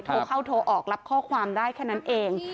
โทรเข้าโทรออกรับข้อความได้แค่นั้นเอง